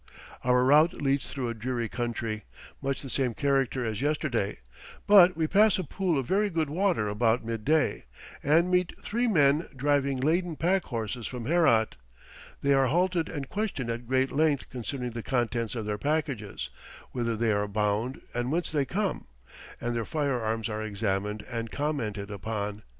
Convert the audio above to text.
Our route leads through a dreary country, much the same character as yesterday, but we pass a pool of very good water about mid day, and meet three men driving laden pack horses from Herat. They are halted and questioned at great length concerning the contents of their packages, whither they are bound and whence they come; and their firearms are examined and commented upon.